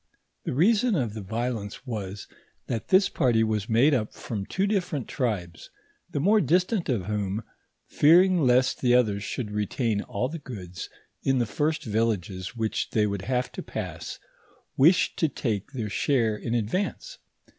The rear Bon of the violence was, that this party was made up from two different tribes, the more distant of whom, fearing leat the others should retain all the goods in the first villages which they would have to pass, wished to take their share in advance.